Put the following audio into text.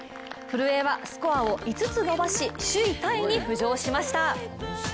古江はスコアを５つ伸ばし首位タイに浮上しました。